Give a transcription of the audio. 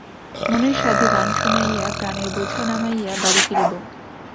মনের সাধে গান শুনাইয়া, প্রাণের বোঝা নামাইয়া বাড়ি ফিরিব।